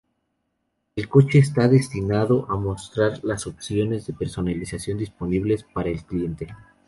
El coche está destinado a mostrar las opciones de personalización disponibles para el cliente.